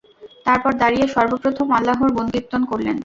তারপর দাঁড়িয়ে সর্বপ্রথম আল্লাহর গুণকীর্তণ করলেন।